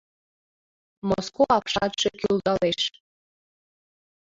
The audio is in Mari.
Моско апшатше кӱлдалеш.